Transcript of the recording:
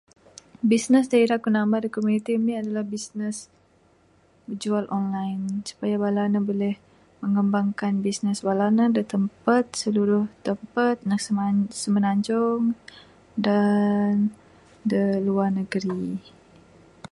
Bisnes da ira ku namah da komuniti ami adalah bisnes bijual online supaya bala ne buleh mengembangkan bisnes bala ne, da tempat da seluruh tempat da semenanjung dan de luar negeri